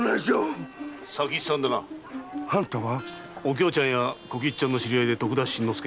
お京ちゃんたちの知り合いで徳田新之助。